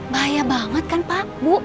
bahaya banget kan pak bu